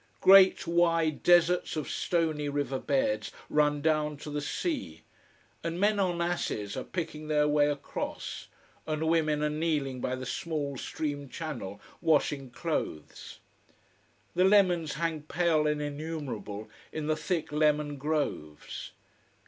Great wide deserts of stony river beds run down to the sea, and men on asses are picking their way across, and women are kneeling by the small stream channel washing clothes. The lemons hang pale and innumerable in the thick lemon groves.